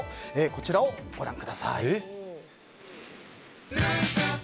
こちらをご覧ください。